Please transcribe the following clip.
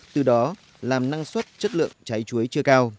từ đó làm năng suất chất lượng trái chuối chưa cao